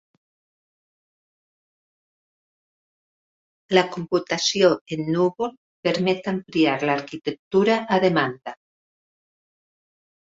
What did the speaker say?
La computació en núvol permet ampliar l'arquitectura a demanda.